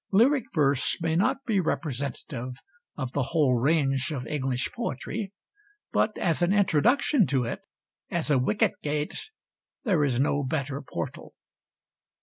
Lyric verse may not be representative of the whole range of English poetry, but as an introduction to it, as a Wicket gate, there is no better portal.